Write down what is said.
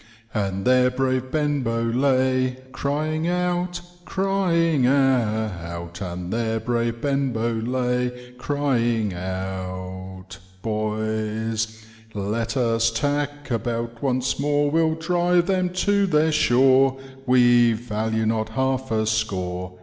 " And there brave Benbow lay, Crying out, crying out; And there brave Benbow lay, Crying out, boys, * T^et us tack about once more, We'll drive them to their shore, We value not half a score.